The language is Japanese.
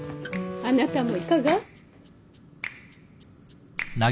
あなたもいかが？